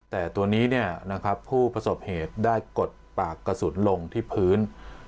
แต่ตัวนี้ผู้ประสบเหตุได้กดปากกระสุนลงที่พื้น